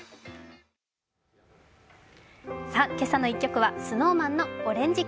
「けさの１曲」はＳｎｏｗＭａｎの「オレンジｋｉｓｓ」。